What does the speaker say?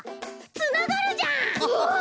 つながるじゃん！